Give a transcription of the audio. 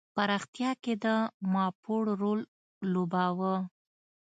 پراختیا کې د پاموړ رول لوباوه.